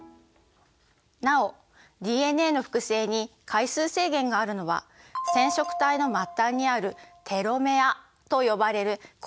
なおＤＮＡの複製に回数制限があるのは染色体の末端にあるテロメアと呼ばれる構造が関係しています。